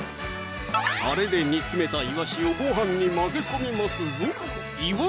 たれで煮詰めたいわしをごはんに混ぜ込みますぞ